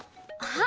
ああ！